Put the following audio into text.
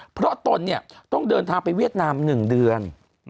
เพราะตนเนี่ยต้องเดินทางไปเวียดนาม๑เดือน